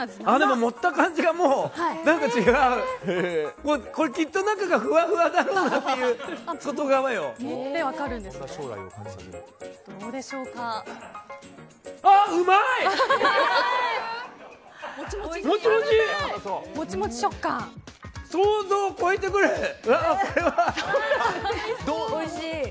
あっ、うまい！